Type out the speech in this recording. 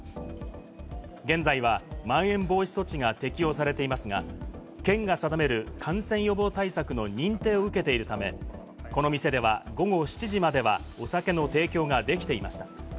現在はまん延防止措置が適用されていますが、県が定める感染予防対策の認定を受けているため、この店では午後７時まではお酒の提供ができていました。